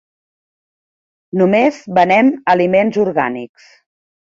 Només venem aliments orgànics.